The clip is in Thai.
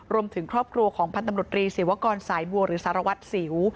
รวมถึงครอบครัวของพันธมตรีศิวกรสายบัวหรือสารวัตรสิว